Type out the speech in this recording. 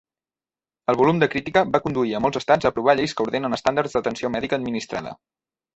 El volum de crítica va conduir a molts estats a aprovar lleis que ordenen estàndards d'atenció mèdica administrada.